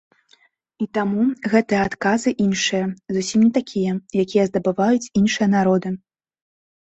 І таму гэтыя адказы іншыя, зусім не такія, якія здабываюць іншыя народы.